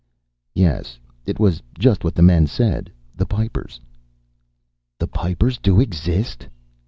"Yes. It was just what the men said. The Pipers." "The Pipers do exist?"